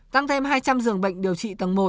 tăng thêm hai trăm linh giường bệnh điều trị tầng một